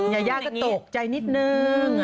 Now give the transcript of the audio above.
ยายาก็ตกใจนิดนึง